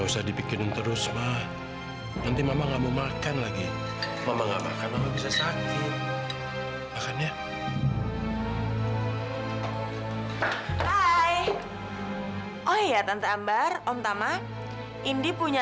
sampai jumpa di video selanjutnya